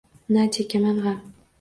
Na chekaman g’am